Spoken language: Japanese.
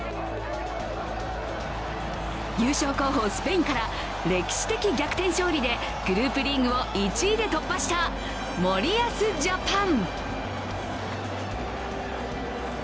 優勝候補・スペインから歴史的逆転勝利でグループリーグを１位で突破した森保ジャパン。